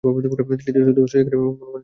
তৃতীয় অধ্যায় সু র চরিত্র এবং মনমানসিকতা নিয়ে।